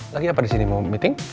lagi apa disini mau meeting